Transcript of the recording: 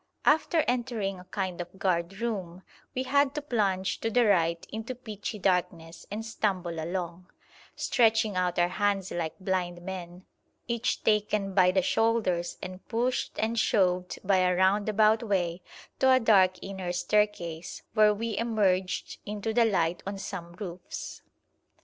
After entering a kind of guard room, we had to plunge to the right into pitchy darkness and stumble along, stretching out our hands like blind men, each taken by the shoulders and pushed and shoved by a roundabout way to a dark inner staircase, where we emerged into the light on some roofs.